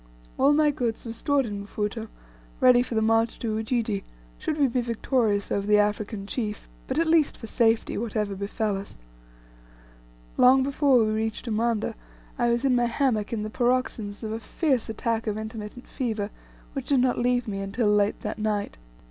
All my goods were stored in Mfuto, ready for the march to Ujiji, should we be victorious over the African chief, but at least for safety, whatever befel us. Long before we reached Umanda, I was in my hammock in the paroxysms of a fierce attack of intermittent fever, which did not leave me until late that night.